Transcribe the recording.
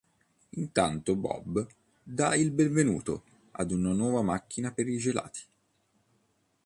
Intanto Bob dà il 'benvenuto' ad una nuova macchina per i gelati.